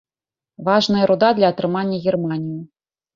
Важная руда для атрымання германію.